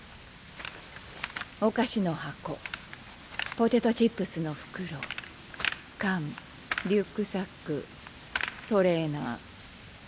お菓子の箱ポテトチップスの袋缶リュックサックトレーナー。